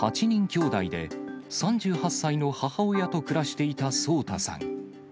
８人きょうだいで、３８歳の母親と暮らしていた颯太さん。